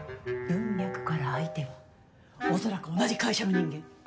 文脈から相手は恐らく同じ会社の人間。